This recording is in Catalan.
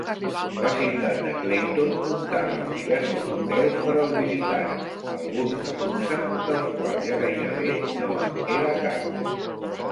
La ciutat de Clayton comptava amb diversos hotels per als visitants, alguns de luxe, dels quals ja gairebé no en queda cap.